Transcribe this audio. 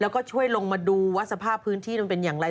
แล้วก็ช่วยลงมาดูว่าสภาพพื้นที่มันเป็นอย่างไร